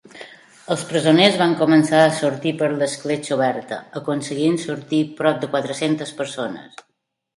Els presoners van començar a sortir per l'escletxa oberta, aconseguint sortir prop de quatre-centes persones.